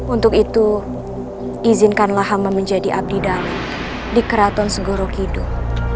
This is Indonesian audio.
untuk itu izinkanlah hama menjadi abdi dali di keraton segoro kidul